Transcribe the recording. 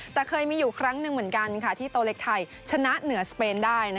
แต่เคยมีอยู่ครั้งหนึ่งเหมือนกันที่โตเล็กไทยชนะเหนือสเปนได้